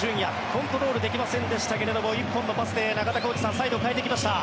コントロールできませんでしたが１本のパスで、中田浩二さんサイドを変えてきました。